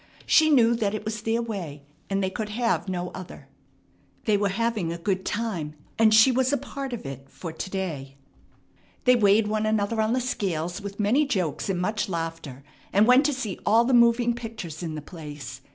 She knew that it was their way, and they could have no other. They were having a good time, and she was a part of it for to day. They weighed one another on the scales with many jokes and much laughter, and went to see all the moving pictures in the place.